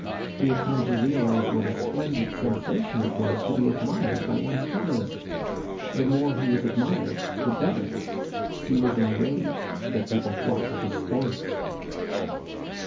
He had come to realize what a splendid sensation it was to be admired by one's fellows. The more he was admired, the better. He was enraged that people thought to despair.